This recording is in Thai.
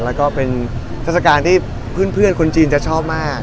แล้วก็เป็นเทศกาลที่เพื่อนคนจีนจะชอบมาก